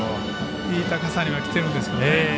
いい高さにはきてるんですよね。